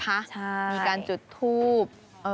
ใช่มีการจุดทูบ